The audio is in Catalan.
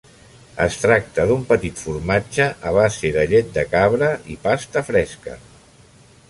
Es tracta d'un petit formatge a base de llet de cabra i pasta fresca.